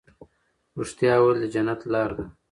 رښتیا ویل د جنت لار ده.